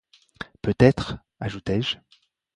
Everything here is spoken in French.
Peut-être, ajoutai-je